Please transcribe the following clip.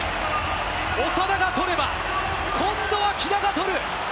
長田が取れば今度は木田が取る！